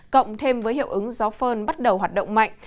cộng thêm với hiệu ứng gió phơn bắt đầu hoạt động mạnh